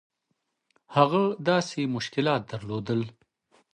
هغه داسې مشکلات درلودل.